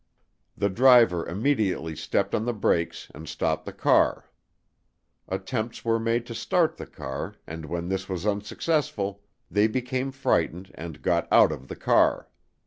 The driver immediately stepped on the brakes and stopped the car. Attempts were made to start the car and when this was unsuccessful they became frightened and got out of the car.